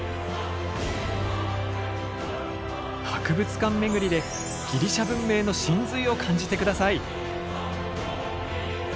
博物館巡りでギリシャ文明の神髄を感じて下さい！